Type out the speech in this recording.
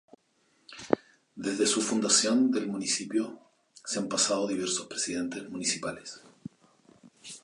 Desde su fundación del municipio se han pasado diversos presidentes municipales.